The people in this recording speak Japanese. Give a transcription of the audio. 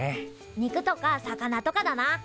肉とか魚とかだな。